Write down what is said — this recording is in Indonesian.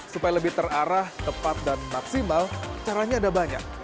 supaya lebih terarah tepat dan maksimal caranya ada banyak